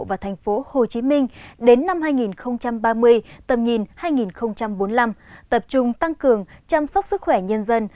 và thành phố hồ chí minh đến năm hai nghìn ba mươi tầm nhìn hai nghìn bốn mươi năm tập trung tăng cường chăm sóc sức khỏe nhân dân